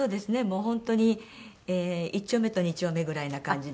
もう本当に１丁目と２丁目ぐらいな感じで。